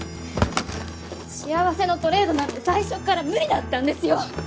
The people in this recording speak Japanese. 幸せのトレードなんて最初から無理だったんですよ！